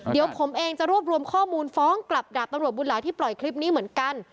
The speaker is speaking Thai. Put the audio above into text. เดี๋ยวผมเองจะรวบรวมข้อมูลฟ้องกลับดาบตำรวจบุญหลายที่ปล่อยคลิปนี้เหมือนกัน